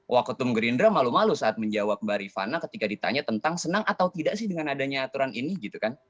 waketum gerindra malu malu saat menjawab mbak rifana ketika ditanya tentang senang atau tidak sih dengan adanya aturan ini gitu kan